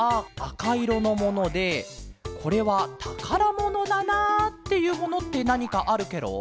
かいろのものでこれはたからものだなっていうものってなにかあるケロ？